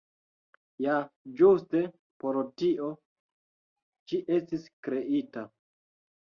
Ja ĝuste por tio ĝi estis kreita.